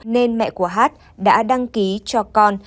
nên mẹ của hát đã đăng ký cho con